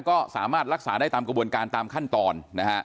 ก็สามารถรักษาได้ตามกระบวนการตามขั้นตอนนะฮะ